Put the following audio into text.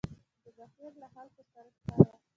د بهير له خلکو سره شخړه.